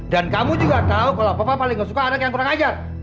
dan kamu juga tahu kalau papa paling gak suka anak yang kurang ajar